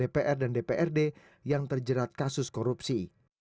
dpr dan dprd yang terjerat kasus korupsi